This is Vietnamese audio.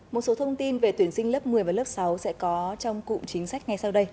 một số thông tin về tuyển sinh lớp một mươi và lớp sáu sẽ có trong cụ chính sách ngay sau đây